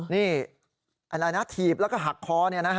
นี่อันนั้นนะถีบแล้วก็หักคอเนี่ยนะฮะ